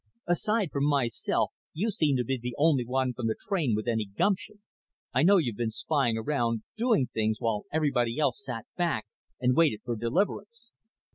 "Aside from myself you seem to be the only one from the train with any gumption. I know you've been spying around doing things while everybody else sat back and waited for deliverance.